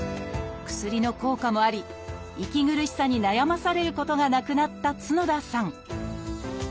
薬の効果もあり息苦しさに悩まされることがなくなった角田さん。